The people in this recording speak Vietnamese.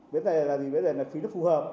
bên này là gì bên này là phí rất phù hợp